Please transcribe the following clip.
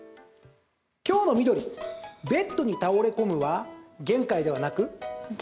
今日の緑、ベッドに倒れこむは「言海」ではなく？